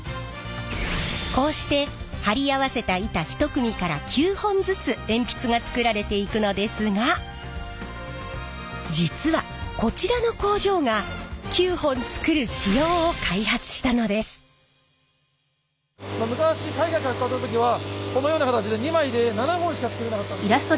こうして貼り合わせた板１組から９本ずつ鉛筆が作られていくのですが実はこちらの工場が９本作るこのような形で２枚で７本しか作れなかったんですよ。